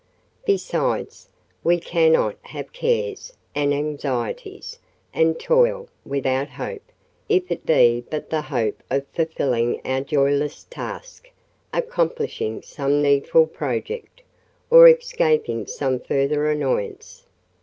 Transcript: Besides, we cannot have cares, and anxieties, and toil, without hope—if it be but the hope of fulfilling our joyless task, accomplishing some needful project, or escaping some further annoyance.